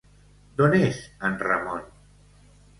D'on és en Ramon?